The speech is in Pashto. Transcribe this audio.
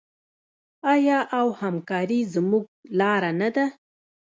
آیا او همکاري زموږ لاره نه ده؟